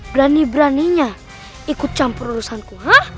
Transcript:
berani beraninya ikut campur urusanku